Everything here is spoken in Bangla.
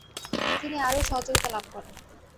তিনি আরও সহযোগিতা লাভ করেন।